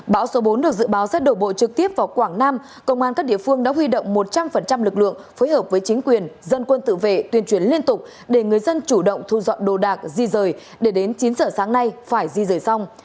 bão số bốn được dự báo sẽ đổ bộ trực tiếp vào quảng nam công an các địa phương đã huy động một trăm linh lực lượng phối hợp với chính quyền dân quân tự vệ tuyên truyền liên tục để người dân chủ động thu dọn đồ đạc di rời để đến chín giờ sáng nay phải di rời xong